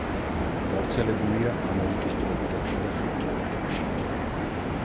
გავრცელებულია ამერიკის ტროპიკებში და სუბტროპიკებში.